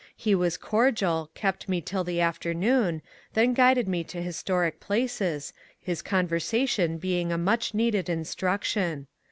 He was cordial, kept me tiU the afternoon, then guided me to historic places, his conversation being a much needed instruction.